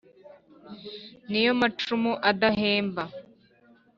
Ni yo macumu adahemba